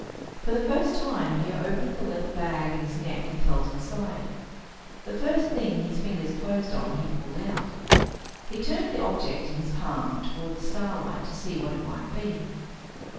For the first time he opened the leather bag at his neck and felt inside. The first thing his fingers closed on he pulled out. He turned the object in his palm toward the starlight to see what it might be.